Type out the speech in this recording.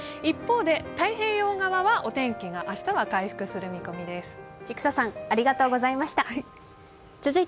一方で太平洋側はお天気が明日は回復する見込みです。